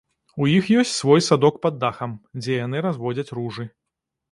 У іх ёсць свой садок пад дахам, дзе яны разводзяць ружы.